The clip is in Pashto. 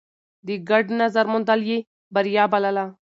د ګډ نظر موندل يې بريا بلله.